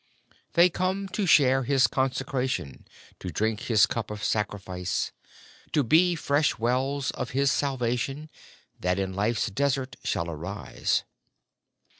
They come, to share His consecration ; To drink His cup of sacrifice ; (33) 34 EASTER GLEAMS To be fresh wells of His salvation, That in life's desert shall arise.